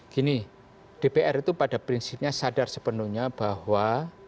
gini dpr itu pada prinsipnya sadar sepenuhnya bahwa